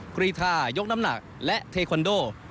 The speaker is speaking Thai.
กรีทายกน้ำหนักและเทคอนโด